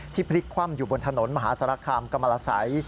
ที่พลิกคว่ำอยู่บนถนนมหาสารคามกไก่งองู๒๖๖๕มุกดาหาร